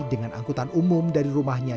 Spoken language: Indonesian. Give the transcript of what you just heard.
dengan angkutan umum dari rumahnya